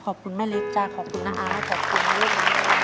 ขอบคุณแม่เล็กจ้ะขอบคุณนะอายขอบคุณนะลูก